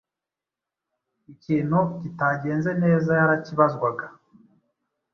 ikintu kitagenze neza yarakibazwaga